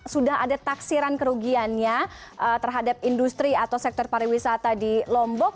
sudah ada taksiran kerugiannya terhadap industri atau sektor pariwisata di lombok